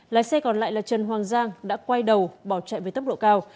lái xe còn lại là trần hoàng giang đã quay đầu bỏ chạy về tấp độ cao